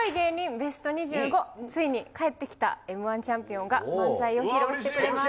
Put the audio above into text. ベスト２５、ついに帰ってきたＭー１チャンピオンが、漫才を披露してくれます。